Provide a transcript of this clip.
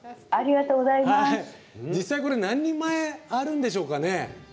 実際、これ何人前あるんでしょうかね？